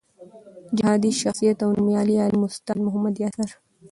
جهادي شخصیت او نومیالی عالم استاد محمد یاسر